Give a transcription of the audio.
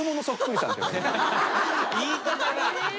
言い方が。